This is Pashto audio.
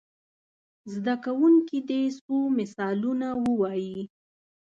زده کوونکي دې څو مثالونه ووايي.